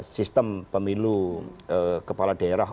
sistem pemilu kepala daerah